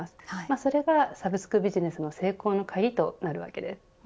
それがサブスクビジネスの成功の鍵となるわけです。